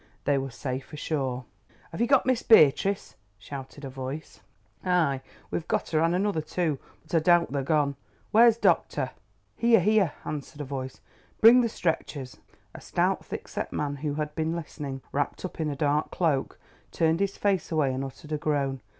They were safe ashore. "Have you got Miss Beatrice?" shouted a voice. "Ay, we've got her and another too, but I doubt they're gone. Where's doctor?" "Here, here!" answered a voice. "Bring the stretchers." A stout thick set man, who had been listening, wrapped up in a dark cloak, turned his face away and uttered a groan.